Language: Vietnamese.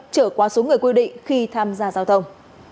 trở qua số người quy định khi tham gia giao thông